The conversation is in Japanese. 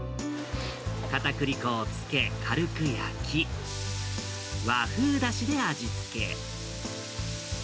かたくり粉をつけ、軽く焼き、和風だしで味付け。